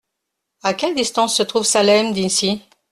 À quelle distance se trouve Salem d’ici ?